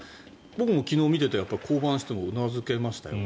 僕も昨日見ていて降板したのはうなずけましたよ。